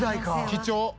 「貴重」